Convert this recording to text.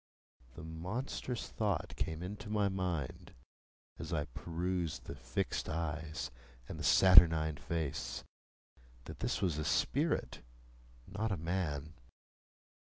The monstrous thought came into my mind, as I perused the fixed eyes and the saturnine face, that this was a spirit, not a man.